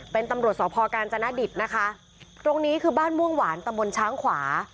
เป็นตำรวจสพกาญจนดิตนะคะตรงนี้คือบ้านม่วงหวานตะบนช้างขวา